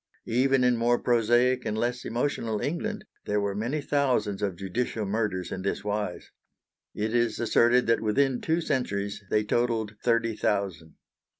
Even in more prosaic and less emotional England there were many thousands of judicial murders in this wise. It is asserted that within two centuries they totalled thirty thousand.